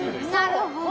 なるほど。